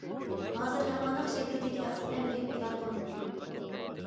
ھازىر ھەر قانداق شەكىلدىكى ھەقسىز ئەمگەك بىكار قىلىنىپتۇ.